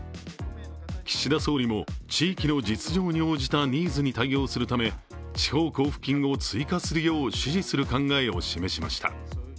岸田総理も地域の実情に応じたニーズに対応するため地方交付金を追加するよう指示する考えを示しました。